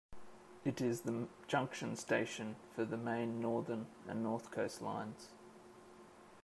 It is the junction station for the Main Northern and North Coast lines.